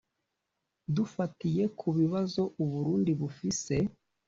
"Dufatiye ku bibazo Uburundi bufise